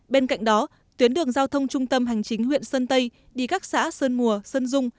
bên cạnh đó tuyến đường giao thông trung tâm hành chính huyện sơn tây đi các xã sơn mùa sơn dung